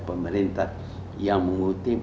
pemerintah yang mengutip